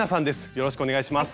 よろしくお願いします。